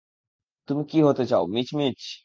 তুমি কী হতে চাও, মিচ-মিচ?